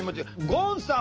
ゴンさん！